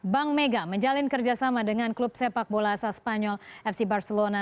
bank mega menjalin kerjasama dengan klub sepak bola asal spanyol fc barcelona